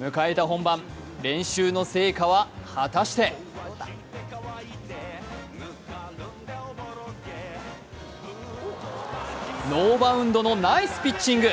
迎えた本番練習の成果は果たしてノーバウンドのナイスピッチング！